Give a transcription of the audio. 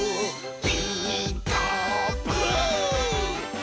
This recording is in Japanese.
「ピーカーブ！」